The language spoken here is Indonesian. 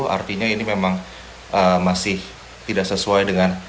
artinya ini memang masih tidak sesuai dengan